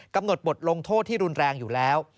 กำหนดบทลงโทษที่รุนแรงอยู่แล้ว